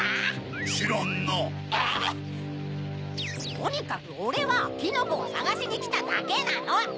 とにかくオレはキノコをさがしにきただけなの！